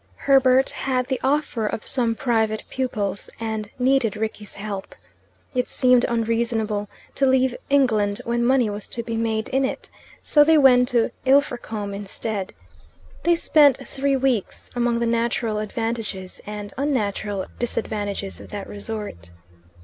Herbert had the offer of some private pupils, and needed Rickie's help. It seemed unreasonable to leave England when money was to be made in it, so they went to Ilfracombe instead. They spent three weeks among the natural advantages and unnatural disadvantages of that resort.